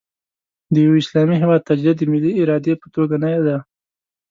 د یوه اسلامي هېواد تجزیه د ملي ارادې په توګه نه ده.